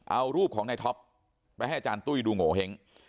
เอารูปของในท็อปไปให้อุ๊ยดูโงเห้ง